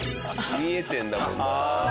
見えてるんだもんな。